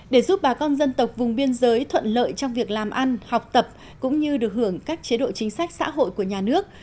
để giúp bà con dân tộc vùng biên giới thuận lợi trong việc làm ăn học tập cũng như được hưởng các chế độ chính sách xã hội của nhà nước